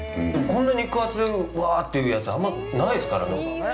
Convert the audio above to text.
こんな肉厚、うわっというやつはあんまりないですからね。